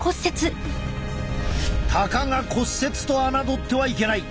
たかが骨折とあなどってはいけない。